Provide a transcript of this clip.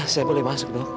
saya boleh masuk dong